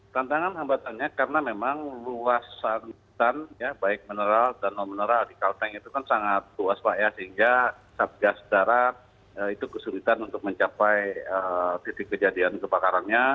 tantangan hambatannya karena memang luasan hutan ya baik mineral dan non mineral di kalteng itu kan sangat luas pak ya sehingga satgas darat itu kesulitan untuk mencapai titik kejadian kebakarannya